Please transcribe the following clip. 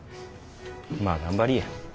まあ頑張りぃや。